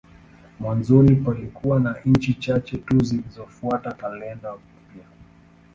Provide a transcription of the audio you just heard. Mwanzoni palikuwa na nchi chache tu zilizofuata kalenda mpya.